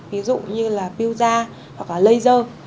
ví dụ như là biêu da hoặc là laser